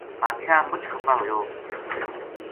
بادشاہ مچ خپا ہویو